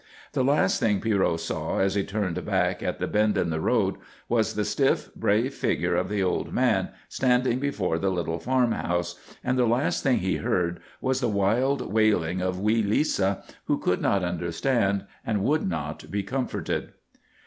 The last thing Pierrot saw as he turned back at the bend in the road was the stiff, brave figure of the old man standing before the little farmhouse, and the last thing he heard was the wild wailing of wee Lisa who could not understand and would not be comforted.